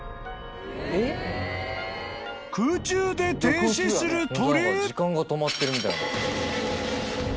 ［空中で停止する鳥？］